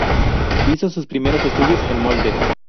Hizo sus primeros estudios en Molde.